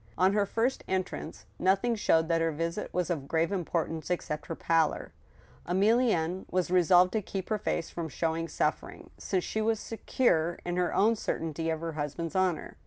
On her first entrance, nothing showed that her visit was of grave importance except her pallor. Emilienne was resolved to keep her face from showing suffering, since she was secure in her own certainty of her husband's honor.